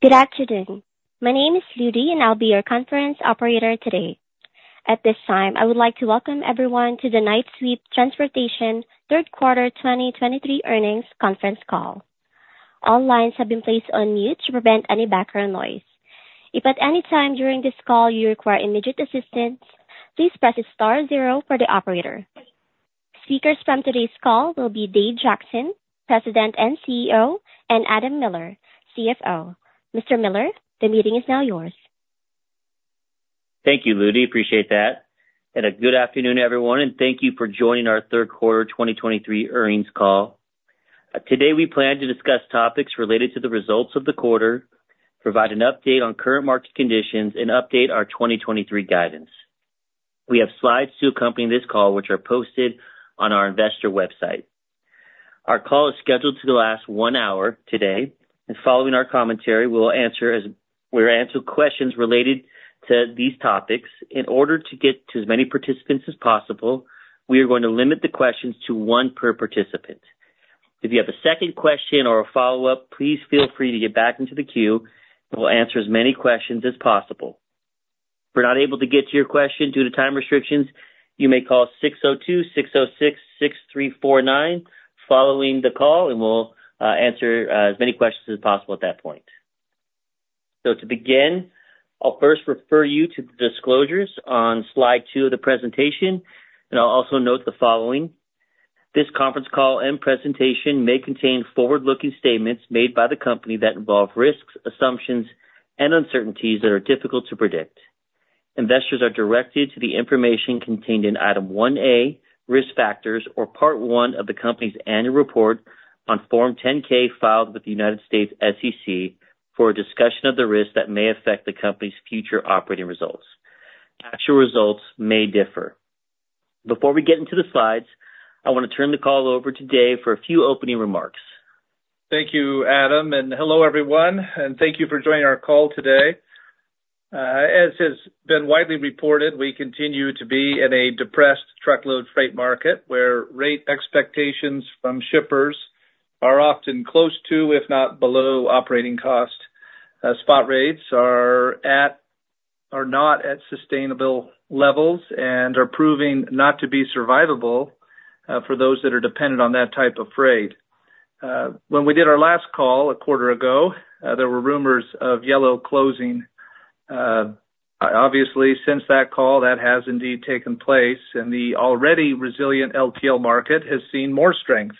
Good afternoon. My name is Ludy, and I'll be your conference operator today. At this time, I would like to welcome everyone to the Knight-Swift Transportation Third Quarter 2023 Earnings Conference Call. All lines have been placed on mute to prevent any background noise. If at any time during this call you require immediate assistance, please press star zero for the operator. Speakers from today's call will be Dave Jackson, President and CEO, and Adam Miller, CFO. Mr. Miller, the meeting is now yours. Thank you, Ludy. Appreciate that. Good afternoon, everyone, and thank you for joining our Third Quarter 2023 Earnings Call. Today, we plan to discuss topics related to the results of the quarter, provide an update on current market conditions, and update our 2023 guidance. We have slides to accompany this call, which are posted on our investor website. Our call is scheduled to last one hour today, and following our commentary, we'll answer questions related to these topics. In order to get to as many participants as possible, we are going to limit the questions to one per participant. If you have a second question or a follow-up, please feel free to get back into the queue, and we'll answer as many questions as possible. If we're not able to get to your question due to time restrictions, you may call 602-606-6349 following the call, and we'll answer as many questions as possible at that point. To begin, I'll first refer you to the disclosures on slide two of the presentation, and I'll also note the following: This conference call and presentation may contain forward-looking statements made by the company that involve risks, assumptions, and uncertainties that are difficult to predict. Investors are directed to the information contained in Item 1A, Risk Factors or Part 1 of the company's Annual Report on Form 10-K, filed with the United States SEC, for a discussion of the risks that may affect the company's future operating results. Actual results may differ. Before we get into the slides, I want to turn the call over to Dave for a few opening remarks. Thank you, Adam, and hello, everyone, and thank you for joining our call today. As has been widely reported, we continue to be in a depressed Truckload freight market, where rate expectations from shippers are often close to, if not below, operating cost. Spot rates are not at sustainable levels and are proving not to be survivable for those that are dependent on that type of freight. When we did our last call a quarter ago, there were rumors of Yellow closing. Obviously, since that call, that has indeed taken place, and the already resilient LTL market has seen more strength.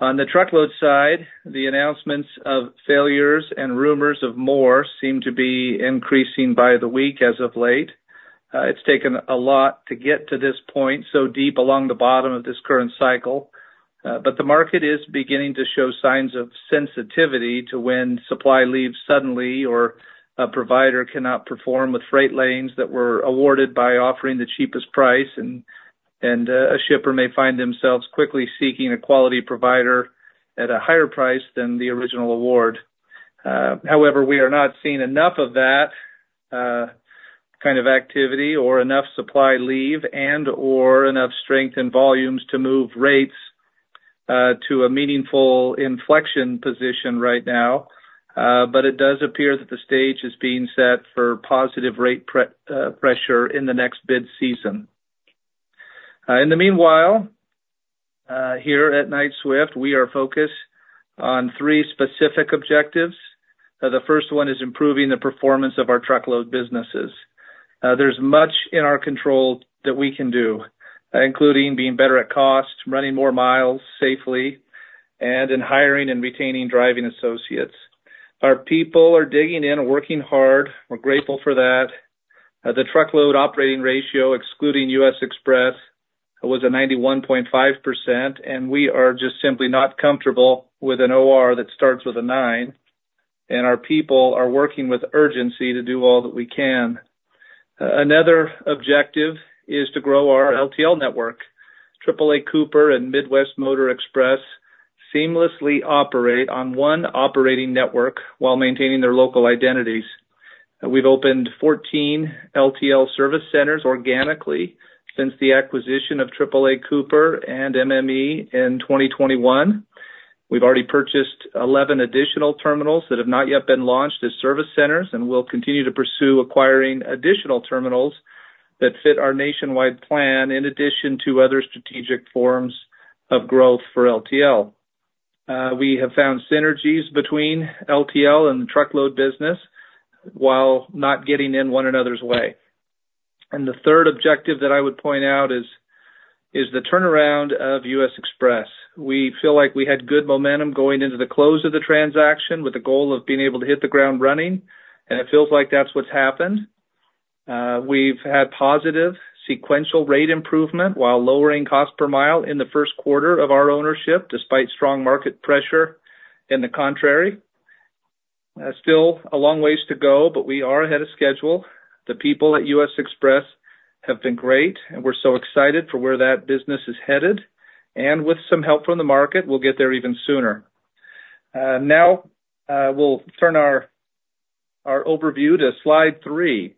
On the Truckload side, the announcements of failures and rumors of more seem to be increasing by the week as of late. It's taken a lot to get to this point, so deep along the bottom of this current cycle, but the market is beginning to show signs of sensitivity to when supply leaves suddenly or a provider cannot perform with freight lanes that were awarded by offering the cheapest price, and a shipper may find themselves quickly seeking a quality provider at a higher price than the original award. However, we are not seeing enough of that kind of activity or enough supply leave and/or enough strength in volumes to move rates to a meaningful inflection position right now. It does appear that the stage is being set for positive rate pressure in the next bid season. In the meanwhile, here at Knight-Swift, we are focused on three specific objectives. The first one is improving the performance of our Truckload businesses. There's much in our control that we can do, including being better at cost, running more miles safely, and in hiring and retaining driving associates. Our people are digging in and working hard. We're grateful for that. The Truckload operating ratio, excluding U.S. Xpress, was a 91.5%, and we are just simply not comfortable with an O.R. that starts with a nine, and our people are working with urgency to do all that we can. Another objective is to grow our LTL network. AAA Cooper and Midwest Motor Express seamlessly operate on one operating network while maintaining their local identities. We've opened 14 LTL service centers organically since the acquisition of AAA Cooper and MME in 2021. We've already purchased 11 additional terminals that have not yet been launched as service centers and will continue to pursue acquiring additional terminals that fit our nationwide plan, in addition to other strategic forms of growth for LTL. We have found synergies between LTL and the Truckload business while not getting in one another's way. The third objective that I would point out is the turnaround of U.S. Xpress. We feel like we had good momentum going into the close of the transaction, with the goal of being able to hit the ground running, and it feels like that's what's happened. We've had positive sequential rate improvement while lowering cost per mile in the first quarter of our ownership, despite strong market pressure in the contrary. Still a long ways to go, but we are ahead of schedule. The people at U.S. Xpress have been great, and we're so excited for where that business is headed. With some help from the market, we'll get there even sooner. Now we'll turn our overview to slide three.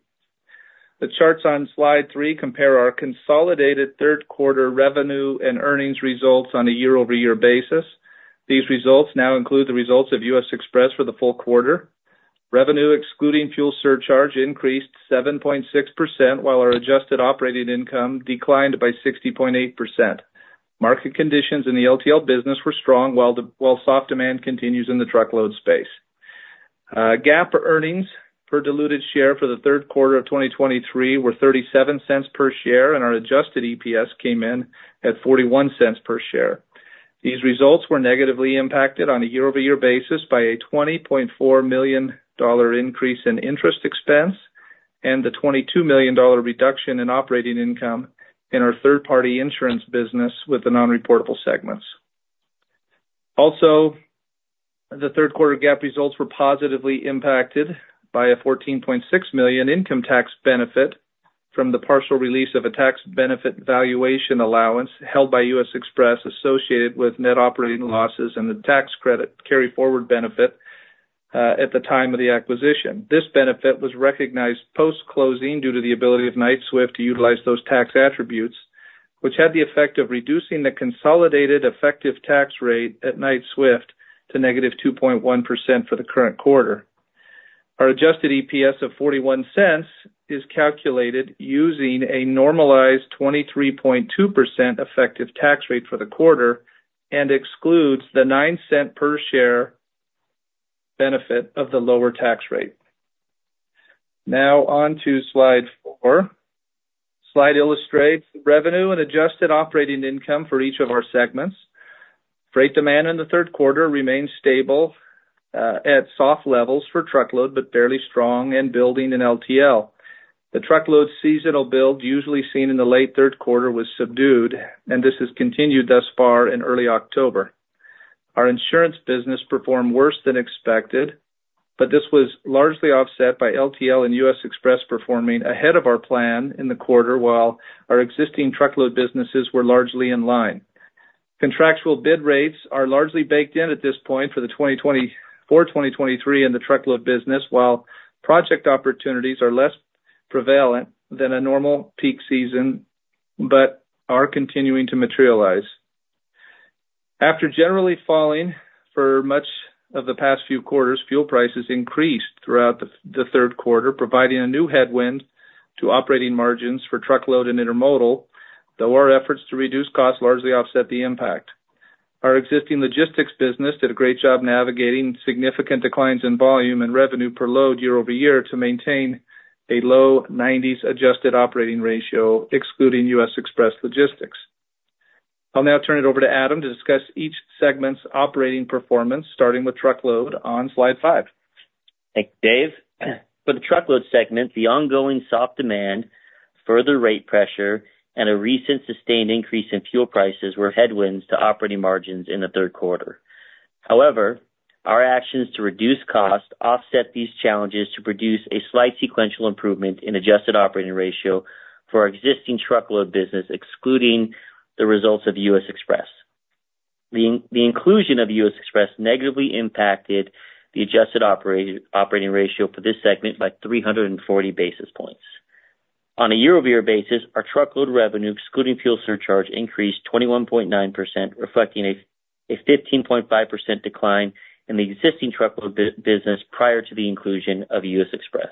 The charts on slide three compare our consolidated third quarter revenue and earnings results on a year-over-year basis. These results now include the results of U.S. Xpress for the full quarter. Revenue, excluding fuel surcharge, increased 7.6%, while our adjusted operating income declined by 60.8%. Market conditions in the LTL business were strong, while soft demand continues in the Truckload space. GAAP earnings per diluted share for the third quarter of 2023 were $0.37 per share, and our Adjusted EPS came in at $0.41 per share. These results were negatively impacted on a year-over-year basis by a $20.4 million increase in interest expense and the $22 million reduction in operating income in our third-party insurance business with the non-reportable segments. Also, the third quarter GAAP results were positively impacted by a $14.6 million income tax benefit from the partial release of a tax benefit valuation allowance held by U.S. Xpress, associated with net operating losses and the tax credit carryforward benefit at the time of the acquisition. This benefit was recognized post-closing due to the ability of Knight-Swift to utilize those tax attributes, which had the effect of reducing the consolidated effective tax rate at Knight-Swift to -2.1% for the current quarter. Our Adjusted EPS of $0.41 is calculated using a normalized 23.2% effective tax rate for the quarter and excludes the $0.09 per share benefit of the lower tax rate. Now on to slide four. Slide illustrates revenue and Adjusted Operating Income for each of our segments. Freight demand in the third quarter remained stable at soft levels for Truckload, but fairly strong and building in LTL. The Truckload seasonal build, usually seen in the late third quarter, was subdued, and this has continued thus far in early October. Our insurance business performed worse than expected, but this was largely offset by LTL and U.S. Xpress performing ahead of our plan in the quarter, while our existing Truckload businesses were largely in line. Contractual bid rates are largely baked in at this point for 2023 in the Truckload business, while project opportunities are less prevalent than a normal peak season, but are continuing to materialize. After generally falling for much of the past few quarters, fuel prices increased throughout the third quarter, providing a new headwind to operating margins for Truckload and Intermodal, though our efforts to reduce costs largely offset the impact. Our existing Logistics business did a great job navigating significant declines in volume and revenue per load year-over-year to maintain a low-90s adjusted Operating Ratio, excluding U.S. Xpress Logistics. I'll now turn it over to Adam to discuss each segment's operating performance, starting with Truckload on slide five. Thank you, Dave. For the Truckload segment, the ongoing soft demand, further rate pressure, and a recent sustained increase in fuel prices were headwinds to operating margins in the third quarter. However, our actions to reduce costs offset these challenges to produce a slight sequential improvement in adjusted operating ratio for our existing Truckload business, excluding the results of U.S. Xpress. The inclusion of U.S. Xpress negatively impacted the adjusted operating ratio for this segment by 340 basis points. On a year-over-year basis, our Truckload revenue, excluding fuel surcharge, increased 21.9%, reflecting a 15.5% decline in the existing Truckload business prior to the inclusion of U.S. Xpress.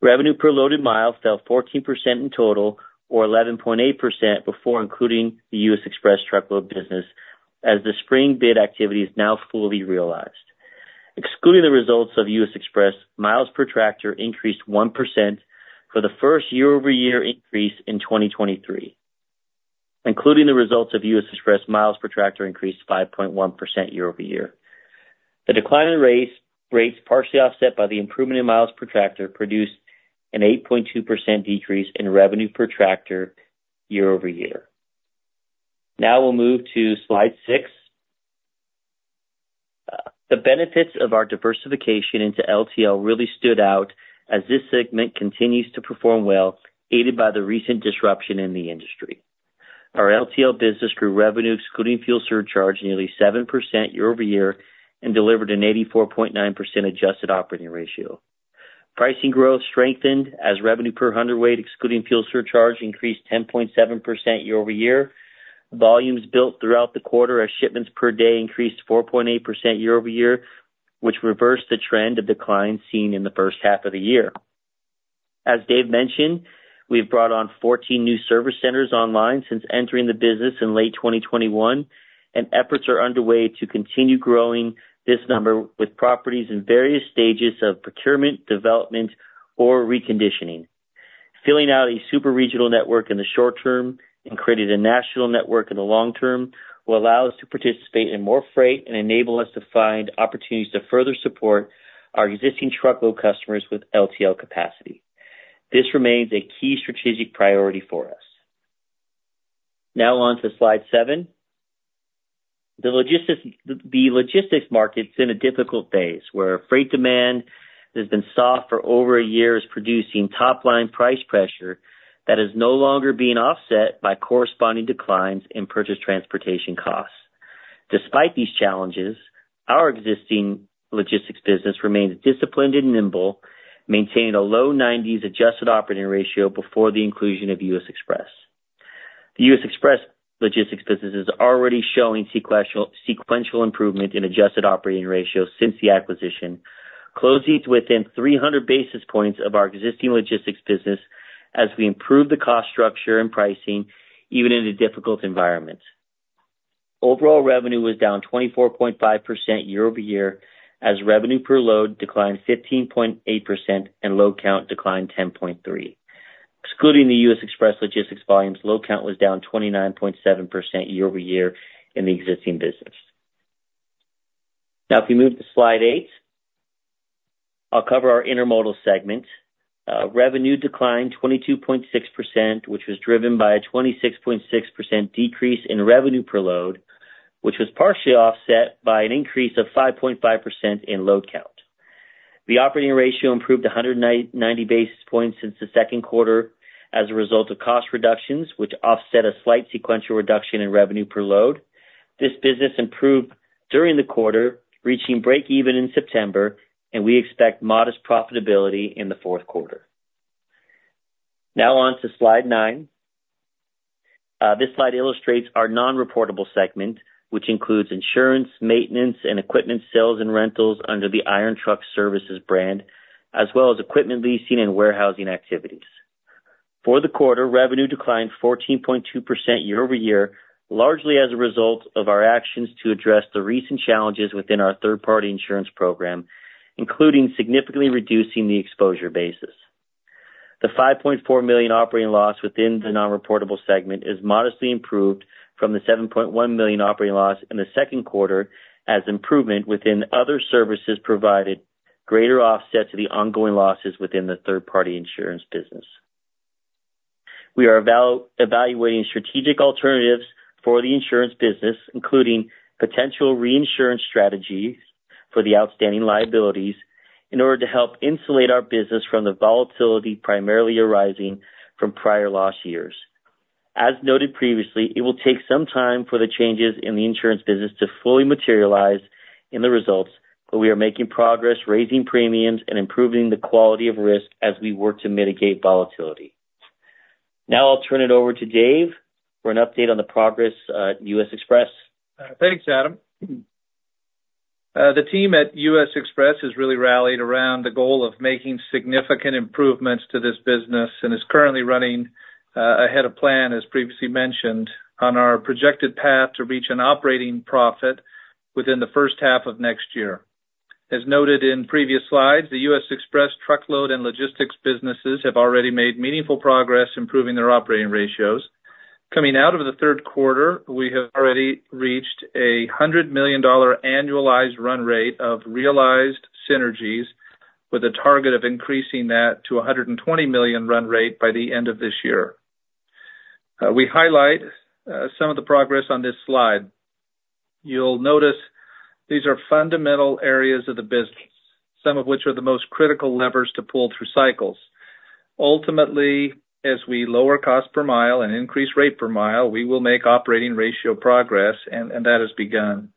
Revenue per loaded mile fell 14% in total, or 11.8% before including the U.S. Xpress Truckload business, as the spring bid activity is now fully realized. Excluding the results of U.S. Xpress, miles per tractor increased 1% for the first year-over-year increase in 2023. Including the results of U.S. Xpress, miles per tractor increased 5.1% year-over-year. The decline in rates, partially offset by the improvement in miles per tractor, produced an 8.2% decrease in revenue per tractor year-over-year. Now we'll move to slide six. The benefits of our diversification into LTL really stood out as this segment continues to perform well, aided by the recent disruption in the industry. Our LTL business grew revenue, excluding fuel surcharge, nearly 7% year-over-year and delivered an 84.9% adjusted operating ratio. Pricing growth strengthened as revenue per hundredweight, excluding fuel surcharge, increased 10.7% year-over-year. Volumes built throughout the quarter as shipments per day increased 4.8% year-over-year, which reversed the trend of declines seen in the first half of the year. As Dave mentioned, we've brought on 14 new service centers online since entering the business in late 2021, and efforts are underway to continue growing this number with properties in various stages of procurement, development, or reconditioning. Filling out a super-regional network in the short term and creating a national network in the long term will allow us to participate in more freight and enable us to find opportunities to further support our existing Truckload customers with LTL capacity. This remains a key strategic priority for us. Now on to slide seven. The logistics market's in a difficult phase, where freight demand has been soft for over a year, is producing top-line price pressure that is no longer being offset by corresponding declines in purchase transportation costs. Despite these challenges, our existing logistics business remains disciplined and nimble, maintaining a low-90s adjusted operating ratio before the inclusion of U.S. Xpress. The U.S. Xpress Logistics business is already showing sequential improvement in adjusted operating ratios since the acquisition, closing to within 300 basis points of our existing logistics business as we improve the cost structure and pricing, even in a difficult environment. Overall revenue was down 24.5% year-over-year, as revenue per load declined 15.8% and load count declined 10.3. Excluding the U.S. Xpress Logistics volumes, load count was down 29.7% year-over-year in the existing business. Now, if we move to slide eight, I'll cover our intermodal segment. Revenue declined 22.6%, which was driven by a 26.6% decrease in revenue per load, which was partially offset by an increase of 5.5% in load count. The Operating Ratio improved 190 basis points since the second quarter as a result of cost reductions, which offset a slight sequential reduction in revenue per load. This business improved during the quarter, reaching breakeven in September, and we expect modest profitability in the fourth quarter. Now on to slide nine. This slide illustrates our non-reportable segment, which includes insurance, maintenance, and equipment sales and rentals under the Iron Truck Services brand, as well as equipment leasing and warehousing activities. For the quarter, revenue declined 14.2% year-over-year, largely as a result of our actions to address the recent challenges within our third-party insurance program, including significantly reducing the exposure basis. The $5.4 million operating loss within the non-reportable segment is modestly improved from the $7.1 million operating loss in the second quarter, as improvement within other services provided greater offsets to the ongoing losses within the third-party insurance business. We are evaluating strategic alternatives for the insurance business, including potential reinsurance strategies for the outstanding liabilities, in order to help insulate our business from the volatility primarily arising from prior loss years. As noted previously, it will take some time for the changes in the insurance business to fully materialize in the results, but we are making progress, raising premiums and improving the quality of risk as we work to mitigate volatility. Now I'll turn it over to Dave for an update on the progress, U.S. Xpress. Thanks, Adam. The team at U.S. Xpress has really rallied around the goal of making significant improvements to this business and is currently running ahead of plan, as previously mentioned, on our projected path to reach an operating profit within the first half of next year. As noted in previous slides, the U.S. Xpress Truckload and Logistics businesses have already made meaningful progress improving their operating ratios. Coming out of the third quarter, we have already reached a $100 million annualized run rate of realized synergies, with a target of increasing that to a $120 million run rate by the end of this year. We highlight some of the progress on this slide. You'll notice these are fundamental areas of the business, some of which are the most critical levers to pull through cycles. Ultimately, as we lower cost per mile and increase rate per mile, we will make Operating Ratio progress, and that has begun.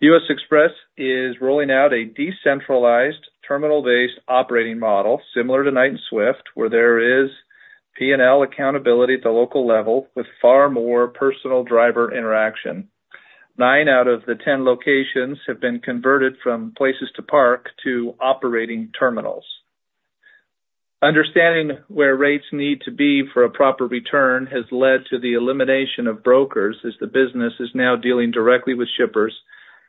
U.S. Xpress is rolling out a decentralized, terminal-based operating model, similar to Knight and Swift, where there is P&L accountability at the local level with far more personal driver interaction. Nine out of the 10 locations have been converted from places to park to operating terminals. Understanding where rates need to be for a proper return has led to the elimination of brokers, as the business is now dealing directly with shippers,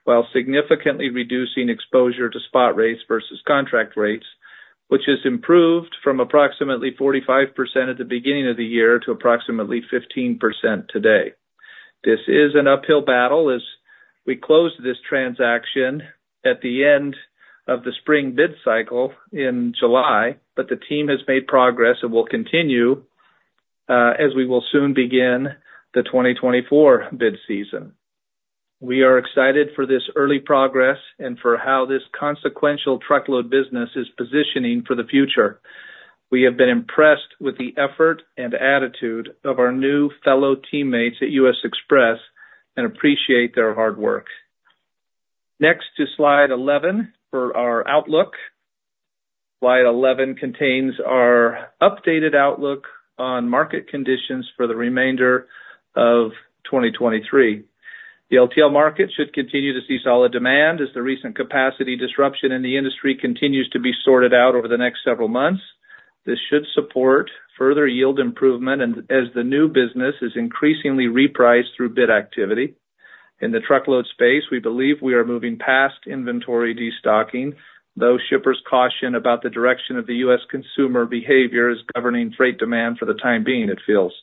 while significantly reducing exposure to rpot rates versus contract rates, which has improved from approximately 45% at the beginning of the year to approximately 15% today. This is an uphill battle as we closed this transaction at the end of the spring bid cycle in July, but the team has made progress and will continue as we will soon begin the 2024 bid season. We are excited for this early progress and for how this consequential Truckload business is positioning for the future. We have been impressed with the effort and attitude of our new fellow teammates at U.S. Xpress and appreciate their hard work. Next to slide 11 for our outlook. Slide 11 contains our updated outlook on market conditions for the remainder of 2023. The LTL market should continue to see solid demand, as the recent capacity disruption in the industry continues to be sorted out over the next several months. This should support further yield improvement and as the new business is increasingly repriced through bid activity. In the Truckload space, we believe we are moving past inventory destocking, though shippers caution about the direction of the U.S. consumer behavior is governing freight demand for the time being, it feels.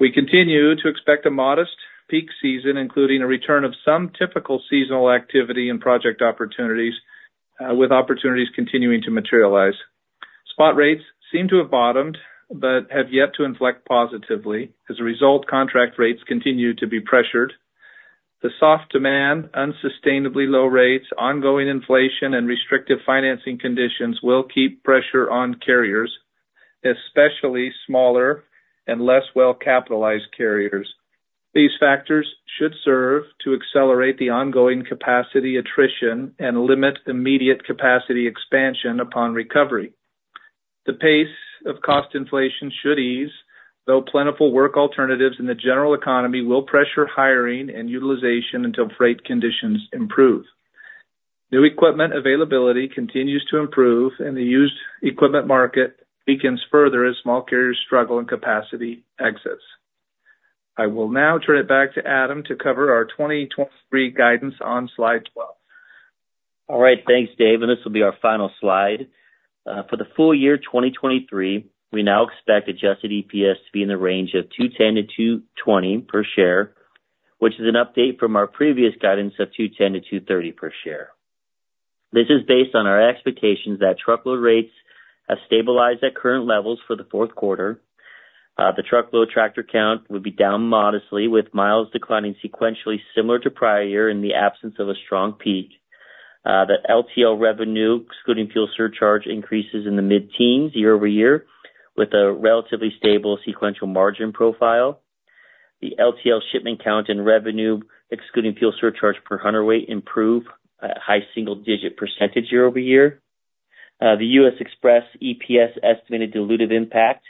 We continue to expect a modest peak season, including a return of some typical seasonal activity and project opportunities with opportunities continuing to materialize. Spot Rates seem to have bottomed but have yet to inflect positively. As a result, Contract Rates continue to be pressured. The soft demand, unsustainably low rates, ongoing inflation, and restrictive financing conditions will keep pressure on carriers, especially smaller and less well-capitalized carriers. These factors should serve to accelerate the ongoing capacity attrition and limit immediate capacity expansion upon recovery. The pace of cost inflation should ease, though plentiful work alternatives in the general economy will pressure hiring and utilization until freight conditions improve. New equipment availability continues to improve, and the used equipment market weakens further as small carriers struggle and capacity exits. I will now turn it back to Adam to cover our 2023 guidance on slide 12. All right, thanks, Dave, and this will be our final slide. For the full year 2023, we now expect adjusted EPS to be in the range of $2.10-$2.20 per share, which is an update from our previous guidance of $2.10-$2.30 per share. This is based on our expectations that Truckload rates have stabilized at current levels for the fourth quarter. The Truckload tractor count would be down modestly, with miles declining sequentially similar to prior year in the absence of a strong peak. The LTL revenue, excluding fuel surcharge, increases in the mid-teens year-over-year, with a relatively stable sequential margin profile. The LTL shipment count and revenue, excluding fuel surcharge per hundredweight, improve high-single-digit percentage year-over-year. The U.S. Xpress EPS estimated dilutive impact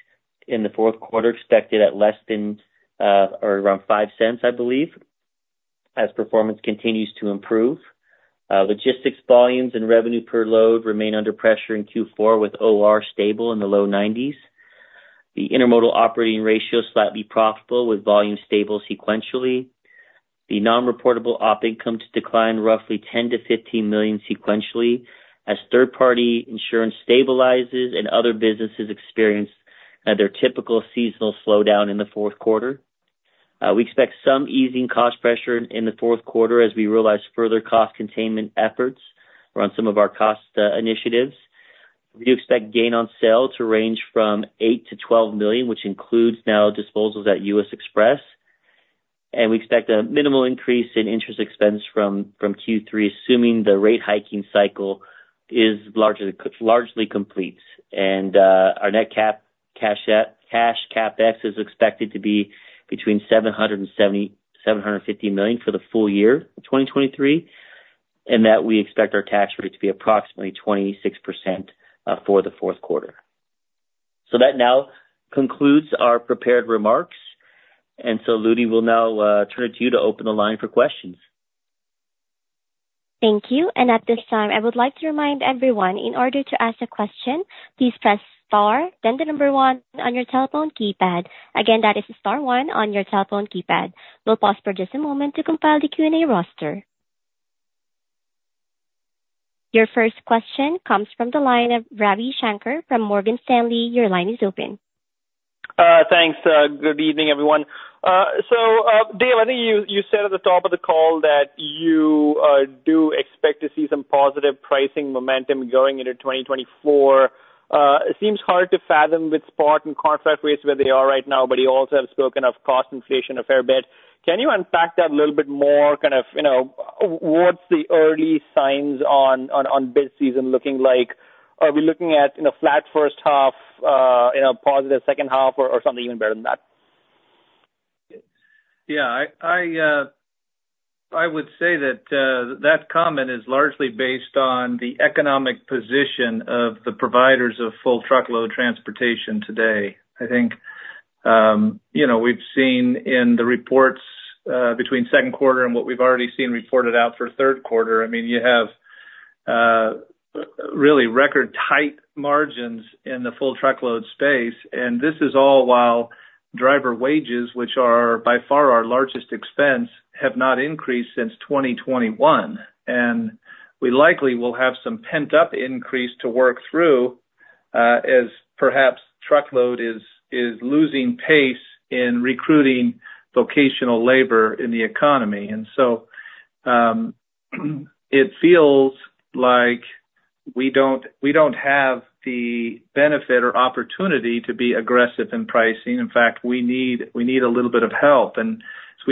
in the fourth quarter, expected at less than or around $0.05, I believe, as performance continues to improve. Logistics volumes and revenue per load remain under pressure in Q4, with OR stable in the low 90s. The Intermodal operating ratio is slightly profitable, with volume stable sequentially. The non-reportable Op income to decline roughly $10 million-$15 million sequentially, as third-party insurance stabilizes and other businesses experience their typical seasonal slowdown in the fourth quarter. We expect some easing cost pressure in the fourth quarter as we realize further cost containment efforts around some of our cost initiatives. Thank you. At this time, I would like to remind everyone, in order to ask a question, please press star, then the number one on your telephone keypad. Again, that is star one on your telephone keypad. We'll pause for just a moment to compile the Q&A roster. Your first question comes from the line of Ravi Shanker from Morgan Stanley. Your line is open. Thanks. Good evening, everyone. Dave, I think you said at the top of the call that you do expect to see some positive pricing momentum going into 2024. It seems hard to fathom with spot and contract rates where they are right now, but you also have spoken of cost inflation a fair bit. Can you unpack that a little bit more? Kind of, you know, what's the early signs on bid season looking like? Are we looking at, you know, flat first half, you know, positive second half or something even better than that? As we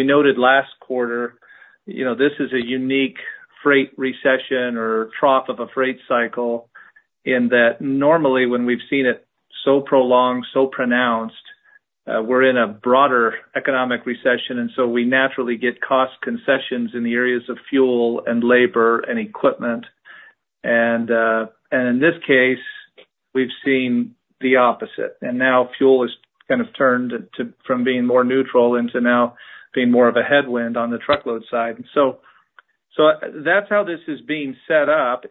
noted last quarter, you know, this is a unique freight recession or trough of a freight cycle, in that normally when we've seen it so prolonged, so pronounced, we're in a broader economic recession, and so we naturally get cost concessions in the areas of fuel and labor and equipment. In this case, we've seen the opposite. Now fuel has kind of turned to, from being more neutral into now being more of a headwind on the Truckload side. That's how this is being set up.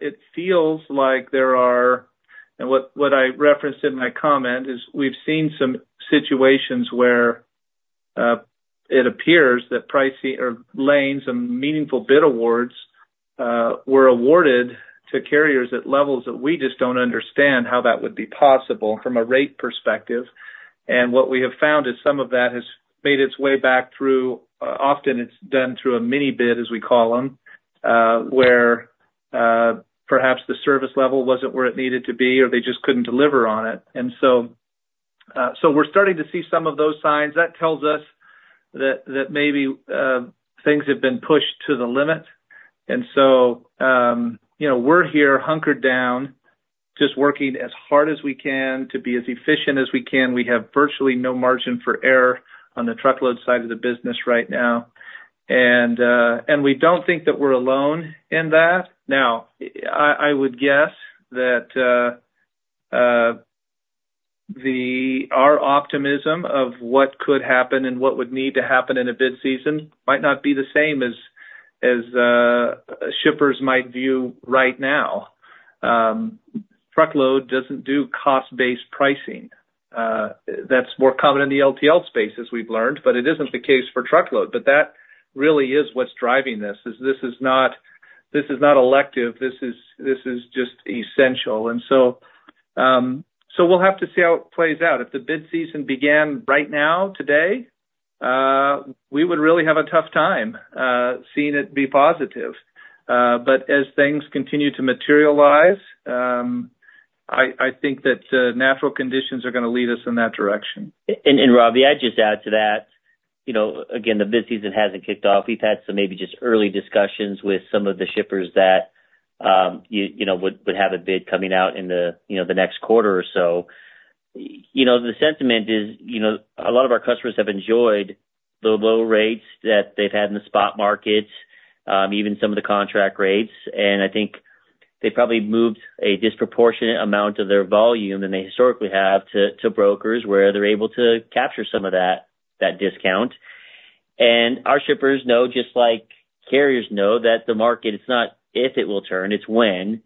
What I referenced in my comment is we've seen some situations where it appears that pricing or lanes and meaningful bid awards were awarded to carriers at levels that we just don't understand how that would be possible from a rate perspective. What we have found is some of that has made its way back through. Often it's done through a mni-bid, as we call them, where perhaps the service level wasn't where it needed to be or they just couldn't deliver on it. We're starting to see some of those signs. That tells us that maybe things have been pushed to the limit. You know, we're here hunkered down, just working as hard as we can to be as efficient as we can. We have virtually no margin for error on the Truckload side of the business right now, and we don't think that we're alone in that. Now, I would guess that our optimism of what could happen and what would need to happen in a bid season might not be the same as shippers might view right now. Truckload doesn't do cost-based pricing. That's more common in the LTL space, as we've learned, but it isn't the case for Truckload. But that really is what's driving this. This is not elective, this is just essential. So we'll have to see how it plays out. If the bid season began right now, today, we would really have a tough time seeing it be positive. But as things continue to materialize, I think that natural conditions are going to lead us in that direction. Ravi, I'd just add to that, you know, again, the bid season hasn't kicked off. We've had some maybe just early discussions with some of the shippers that you know would have a bid coming out in, you know, the next quarter or so. You know, the sentiment is, you know, a lot of our customers have enjoyed the low rates that they've had in the spot markets, even some of the contract rates. I think they probably moved a disproportionate amount of their volume than they historically have to brokers, where they're able to capture some of that discount. Our shippers know, just like carriers know, that the market is not if it will turn, it's when,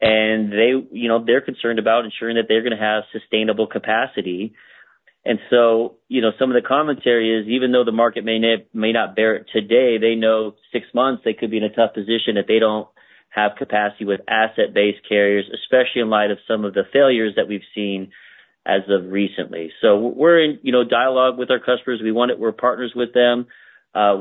and, you know, they're concerned about ensuring that they're going to have sustainable capacity. You know, some of the commentary is, even though the market may not bear it today, they know six months, they could be in a tough position if they don't have capacity with asset-based carriers, especially in light of some of the failures that we've seen as of recently. We're in, you know, dialogue with our customers. We want it, we're partners with them.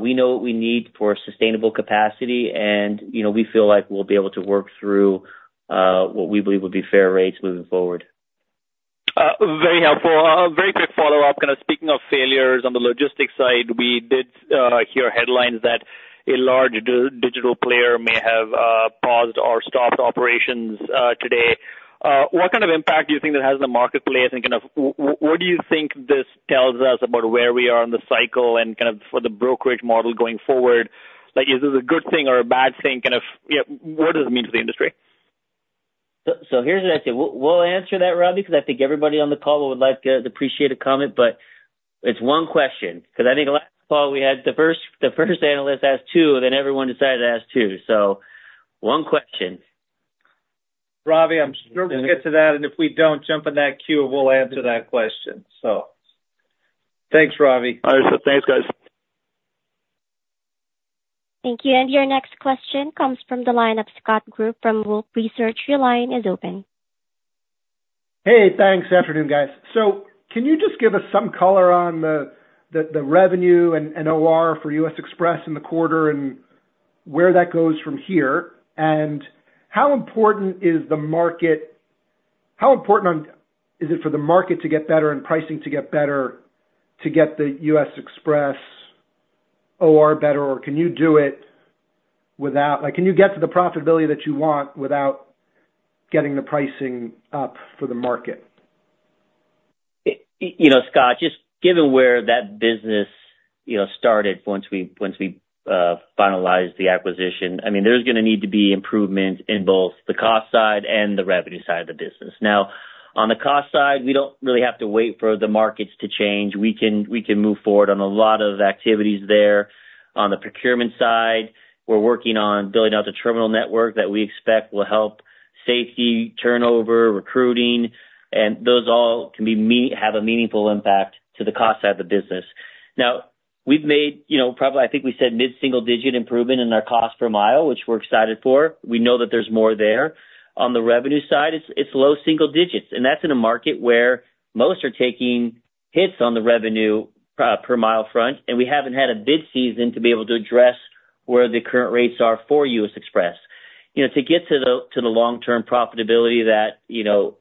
We know what we need for sustainable capacity and, you know, we feel like we'll be able to work through what we believe will be fair rates moving forward. Very helpful. A very quick follow-up. Kind of speaking of failures on the logistics side, we did hear headlines that a large digital player may have paused or stopped operations today. What kind of impact do you think that has on the marketplace? Kind of what do you think this tells us about where we are in the cycle, and kind of for the brokerage model going forward? Like, is this a good thing or a bad thing? Kind of, you know, what does it mean to the industry? Here's what I say. We'll answer that, Ravi, because I think everybody on the call would like to appreciate a comment, but it's one question, because I think last call we had the first analyst ask two, then everyone decided to ask two. One question. Ravi, I'm sure we'll get to that. If we don't, jump in that queue, and we'll answer that question. Thanks, Ravi. All right, so thanks, guys. Thank you. Your next question comes from the line of Scott Group from Wolfe Research. Your line is open. Hey, thanks. Afternoon, guys. Can you just give us some color on the revenue and O.R. for U.S. Xpress in the quarter, and where that goes from here? How important is it for the market to get better and pricing to get better, to get the U.S. Xpress O.R. better, or can you do it? Like, can you get to the profitability that you want without getting the pricing up for the market? You know, Scott, just given where that business, you know, started, once we finalized the acquisition, I mean, there's going to need to be improvement in both the cost side and the revenue side of the business. Now, on the cost side, we don't really have to wait for the markets to change. We can move forward on a lot of activities there. On the procurement side, we're working on building out the terminal network that we expect will help safety, turnover, recruiting, and those all can have a meaningful impact to the cost side of the business. Now, we've made, you know, probably, I think we said, mid-single-digit improvement in our cost per mile, which we're excited for. We know that there's more there. On the revenue side, it's low single digits, and that's in a market where most are taking hits on the revenue per mile front, and we haven't had a bid season to be able to address where the current rates are for U.S. Xpress. You know, to get to the long-term profitability that, you know,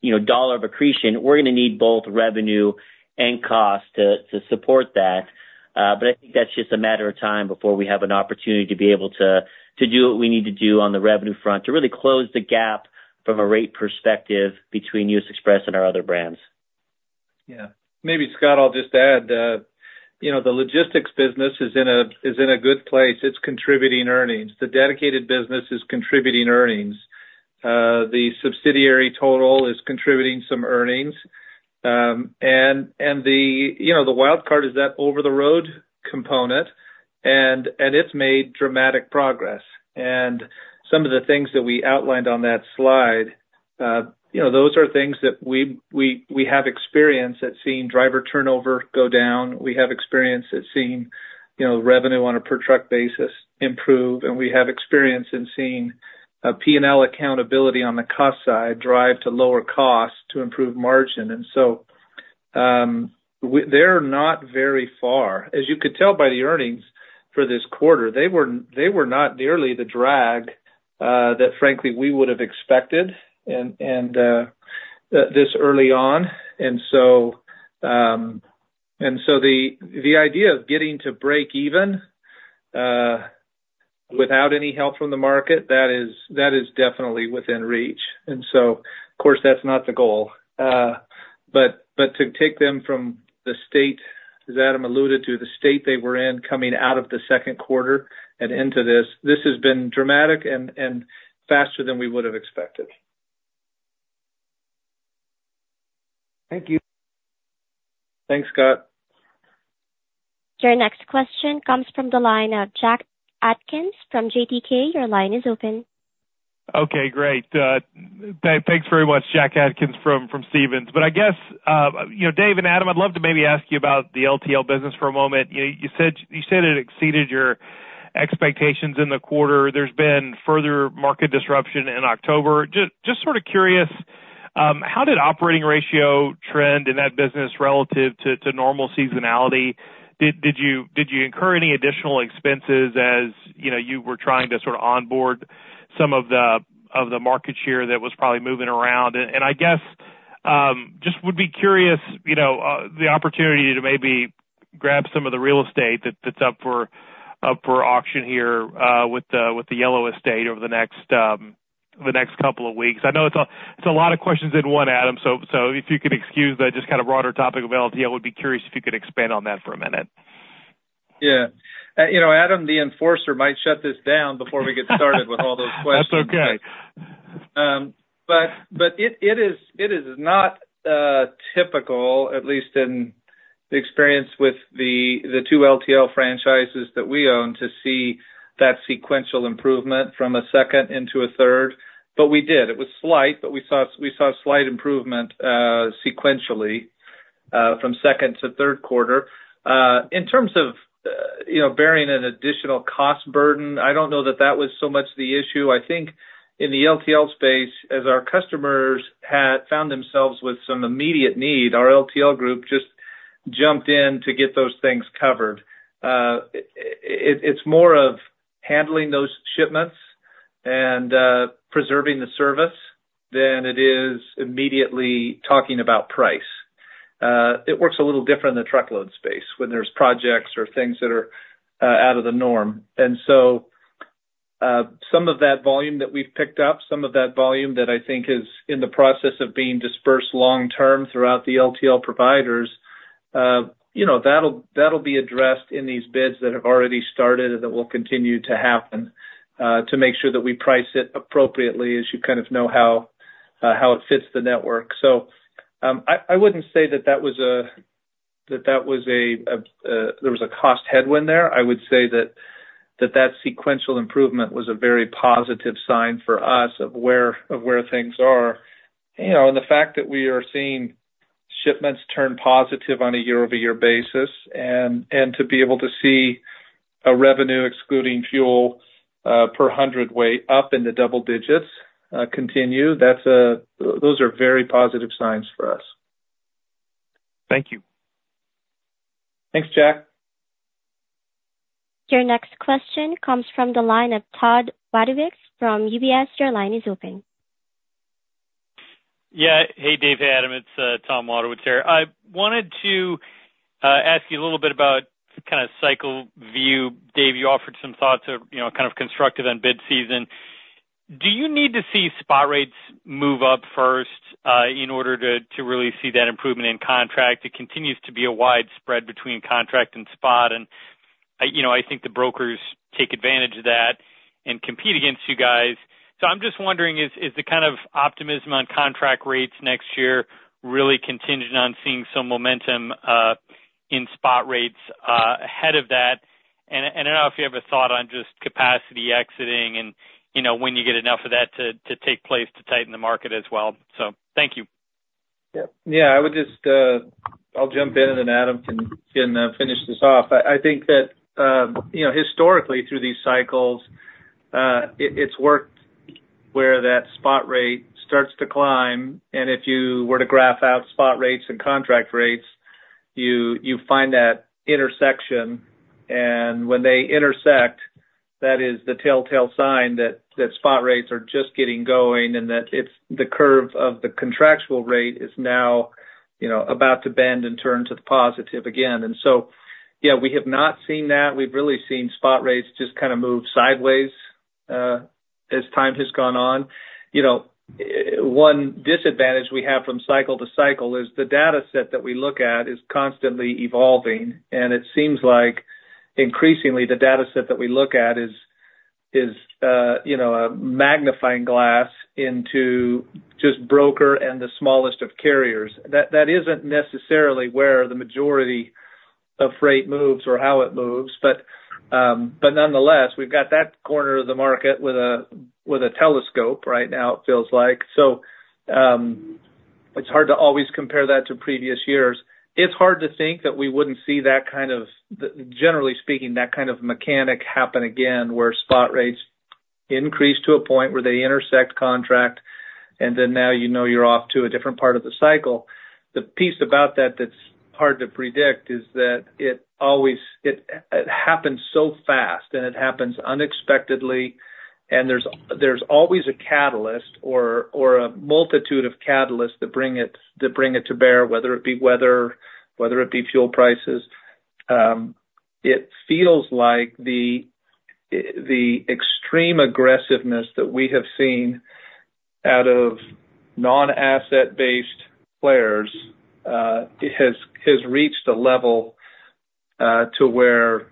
you know, $1 of accretion, we're going to need both revenue and cost to support that. But I think that's just a matter of time before we have an opportunity to be able to do what we need to do on the revenue front, to really close the gap from a rate perspective between U.S. Xpress and our other brands. Yeah. Maybe, Scott, I'll just add that, you know, the logistics business is in a good place. It's contributing earnings. The dedicated business is contributing earnings. The subsidiary total is contributing some earnings. The, you know, the wild card is that over-the-road component, and it's made dramatic progress. Some of the things that we outlined on that slide, you know, those are things that we have experience at seeing driver turnover go down, we have experience at seeing, you know, revenue on a per truck basis improve, and we have experience in seeing a P&L accountability on the cost side, drive to lower cost to improve margin. They're not very far. As you could tell by the earnings for this quarter, they were, they were not nearly the drag that frankly, we would have expected this early on. The idea of getting to break even without any help from the market, that is, that is definitely within reach. Of course, that's not the goal. But to take them from the state, as Adam alluded to, the state they were in, coming out of the second quarter and into this, this has been dramatic and faster than we would have expected. Thank you. Thanks, Scott. Your next question comes from the line of Jack Atkins from JTK. Your line is open. Okay, great. Thanks very much. Jack Atkins from Stephens. I guess, you know, Dave and Adam, I'd love to maybe ask you about the LTL business for a moment. You said it exceeded your expectations in the quarter. There's been further market disruption in October. Just sort of curious, how did operating ratio trend in that business relative to normal seasonality? Did you incur any additional expenses as, you know, you were trying to sort of onboard some of the market share that was probably moving around? I guess, just would be curious, you know, the opportunity to maybe grab some of the real estate that's up for auction here with the Yellow estate over the next couple of weeks. I know it's a lot of questions in one, Adam, so if you could excuse that. Just kind of broader topic of LTL, would be curious if you could expand on that for a minute. Yeah, you know, Adam, the enforcer, might shut this down before we get started with all those questions. That's okay. It is not typical, at least in the experience with the two LTL franchises that we own, to see that sequential improvement from a second into a third, but we did. It was slight, but we saw slight improvement sequentially from second to third quarter. In terms of, you know, bearing an additional cost burden, I don't know that that was so much the issue. I think in the LTL space, as our customers had found themselves with some immediate need, our LTL group just jumped in to get those things covered. It's more of handling those shipments and preserving the service than it is immediately talking about price. It works a little different in the Truckload space when there's projects or things that are out of the norm. Some of that volume that we've picked up, some of that volume that I think is in the process of being dispersed long term throughout the LTL providers, you know, that'll be addressed in these bids that have already started and that will continue to happen to make sure that we price it appropriately, as you kind of know how it fits the network. I wouldn't say there was a cost headwind there. I would say that sequential improvement was a very positive sign for us of where things are. You know, and the fact that we are seeing shipments turn positive on a year-over-year basis and to be able to see a revenue excluding fuel per hundredweight up in the double digits continue, those are very positive signs for us. Thank you. Thanks, Jack. Your next question comes from the line of Tom Wadewitz from UBS. Your line is open. Yeah. Hey, Dave, Adam, it's Tom Wadewitz here. I wanted to ask you a little bit about kind of cycle view. Dave, you offered some thoughts of, you know, kind of constructive on bid season. Do you need to see spot rates move up first in order to really see that improvement in contract? It continues to be a wide spread between contract and spot, and, you know, I think the brokers take advantage of that and compete against you guys. I'm just wondering, is the kind of optimism on contract rates next year really contingent on seeing some momentum in spot rates ahead of that? I don't know if you have a thought on just capacity exiting and, you know, when you get enough of that to take place to tighten the market as well. Thank you. Yeah. Yeah, I'll jump in, and Adam can finish this off. I think that, you know, historically, through these cycles, it's worked where that spot rate starts to climb, and if you were to graph out spot rates and contract rates, you find that intersection, and when they intersect, that is the telltale sign that spot rates are just getting going, and that it's the curve of the contractual rate is now, you know, about to bend and turn to the positive again. Yeah, we have not seen that. We've really seen spot rates just kind of move sideways as time has gone on. You know, one disadvantage we have from cycle to cycle is the dataset that we look at is constantly evolving, and it seems like increasingly the dataset that we look at is, you know, a magnifying glass into just broker and the smallest of carriers. That isn't necessarily where the majority of freight moves or how it moves, but nonetheless, we've got that corner of the market with a telescope right now, it feels like. It's hard to always compare that to previous years. It's hard to think that we wouldn't see that kind of, generally speaking, that kind of mechanic happen again, where spot rates increase to a point where they intersect contract, and then now you know you're off to a different part of the cycle. The piece about that that's hard to predict is that it always happens so fast, and it happens unexpectedly. There's always a catalyst or a multitude of catalysts that bring it to bear, whether it be weather, whether it be fuel prices. It feels like the extreme aggressiveness that we have seen out of non-asset-based players has reached a level to where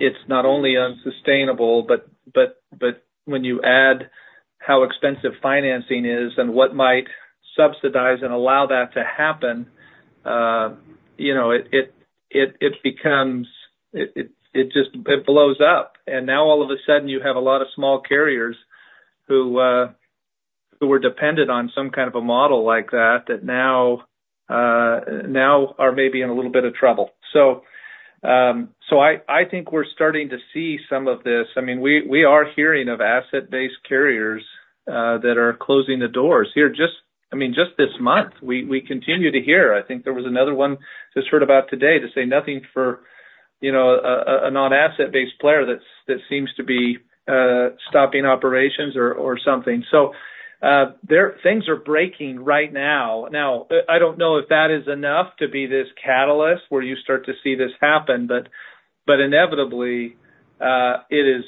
it's not only unsustainable, but when you add how expensive financing is and what might subsidize and allow that to happen, you know, it becomes, it just blows up. Now, all of a sudden, you have a lot of small carriers who were dependent on some kind of a model like that, that now are maybe in a little bit of trouble. I think we're starting to see some of this. I mean, we are hearing of asset-based carriers that are closing the doors. Here, I mean, just this month, we continue to hear. I think there was another one just heard about today, to say nothing for, you know, a non-asset-based player that seems to be stopping operations or something. Things are breaking right now. Now, I don't know if that is enough to be this catalyst, where you start to see this happen, but inevitably, it is